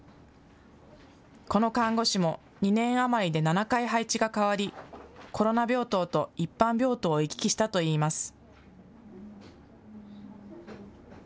この看護師も２年余りで７回配置が変わりコロナ病棟と一般病棟を行き来したといいます。